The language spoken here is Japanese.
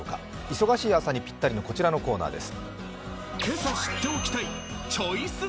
忙しい朝にぴったりのこちらのコーナーです。